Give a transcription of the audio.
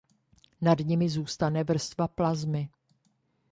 Nad nimi zůstane vrstva plazmy.